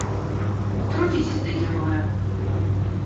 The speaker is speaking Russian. Потрудитесь для героя!